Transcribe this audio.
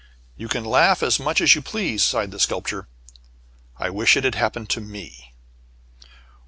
"You can laugh as much as you please," sighed the Sculptor, "I wish it had happened to me."